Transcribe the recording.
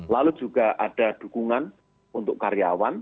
lalu juga ada dukungan untuk karyawan